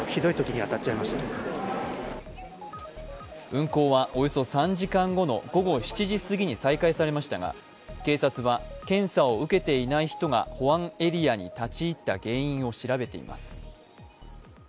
運航はおよそ３時間後の午後７時過ぎに再開されましたが警察は検査を受けていない人が保安エリアに立ち入った原因を調べています。